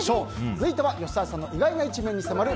続いては吉沢さんの意外な一面に迫る